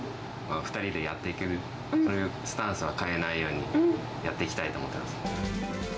２人でやっていけるというスタンスは変えないようにやっていきたいと思っています。